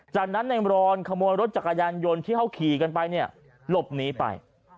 จากนั้นในรอนขโมยรถจักรยานยนต์ที่เขาขี่กันไปเนี่ยหลบหนีไป